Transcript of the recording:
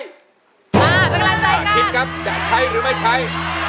คนโลภวางแฟนปล่อยไม่ใช้